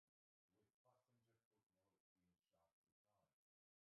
With passenger footfall in sharp decline.